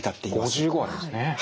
５５ありますね。